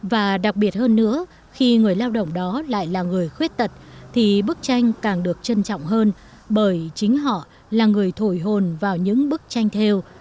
và đặc biệt hơn nữa khi người lao động đó lại là người khuyết tật thì bức tranh càng được trân trọng hơn bởi chính họ là người thổi hồn vào những bức tranh theo